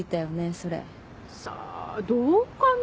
それさあどうかな？